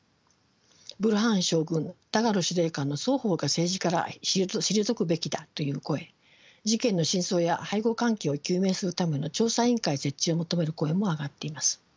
ブルハン将軍ダガロ司令官の双方が政治から退くべきだという声事件の真相や背後関係を究明するための調査委員会設置を求める声も上がっています。